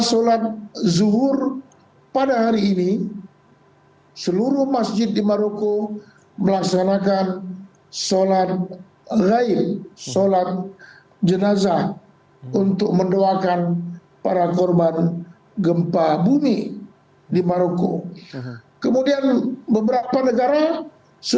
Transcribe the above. sampai hari ini pukul dua belas siang di maroko belum ada rilis baru